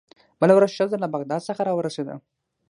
بله ورځ ښځه له بغداد څخه راورسېده.